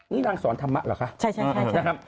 นี่นางสอนธรรมะเหรอคะ